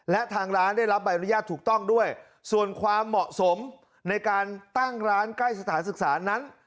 และทางร้านได้รับใบอนุญาตถูกต้องด้วยส่วนความเหมาะสมในการตั้งร้านใกล้สถานศึกษานั้น